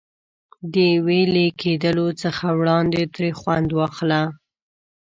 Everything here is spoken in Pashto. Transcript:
د وېلې کېدلو څخه وړاندې ترې خوند واخله.